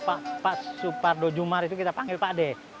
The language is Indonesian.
kalau kami menyebutnya itu pak suparno jumar itu kita panggil pak d